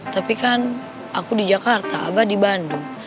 tapi kan aku di jakarta abah di bandung